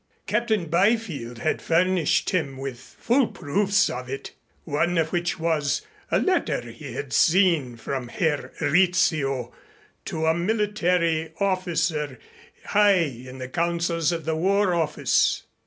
Captain Byfield had furnished him with full proofs of it, one of which was a letter he had seen from Herr Rizzio to a military officer high in the councils of the War Office.